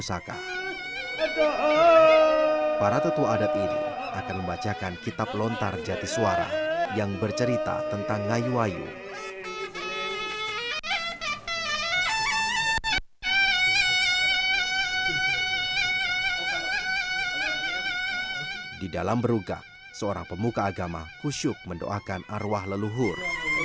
seorang pemuka agama kusyuk mendoakan arwah leluhur